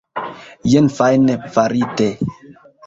Jen fajne farite.